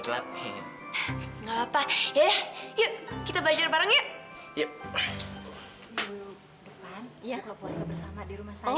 kalo puasa bersama di rumah saya